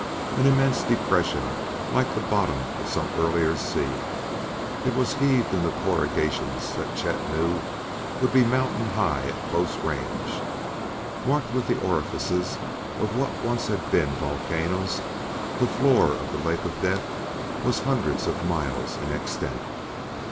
An immense depression, like the bottom of some earlier sea, it was heaved into corrugations that Chet knew would be mountain high at close range. Marked with the orifices of what once had been volcanoes, the floor of that Lake of Death was hundreds of miles in extent.